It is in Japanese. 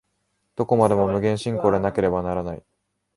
どこまでも無限進行でなければならない。